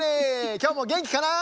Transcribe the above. きょうもげんきかな？